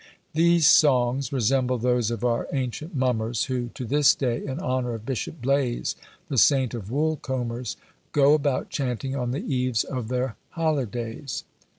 These songs resemble those of our own ancient mummers, who to this day, in honour of Bishop Blaize, the Saint of Woolcombers, go about chanting on the eves of their holidays.